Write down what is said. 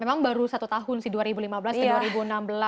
memang baru satu tahun sih dua ribu lima belas ke dua ribu enam belas